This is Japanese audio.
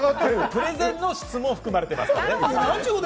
プレゼンの質も含まれてますからね。